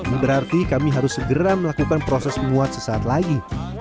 ini berarti kami harus segera melakukan proses menguat sesaat lagi